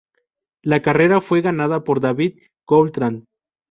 La carrera fue ganada por David Coulthard.